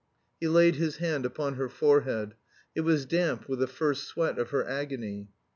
He laid his hand upon her forehead. It was damp with the first sweat of her agony.